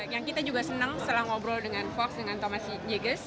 yang kita juga senang setelah ngobrol dengan fox dengan thomas jeges